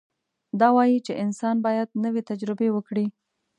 دا وایي چې انسان باید نوې تجربې وکړي.